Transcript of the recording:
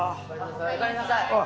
おかえりなさい。